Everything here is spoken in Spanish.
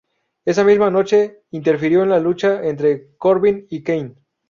Esa misma noche, interfirió en la lucha entre Corbin y Kane.